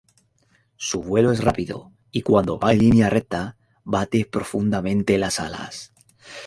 Su vuelo es rápido, y cuando va en línea recta bate profundamente las alas.